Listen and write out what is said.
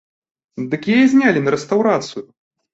Дык яе знялі на рэстаўрацыю!